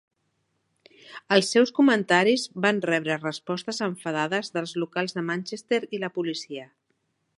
Els seus comentaris van rebre respostes enfadades dels locals de Manchester i la policia.